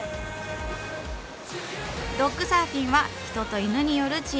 ドッグサーフィンは人と犬によるチームスポーツ。